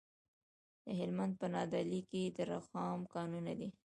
د هلمند په نادعلي کې د رخام کانونه دي.